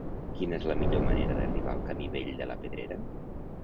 Quina és la millor manera d'arribar al camí Vell de la Pedrera?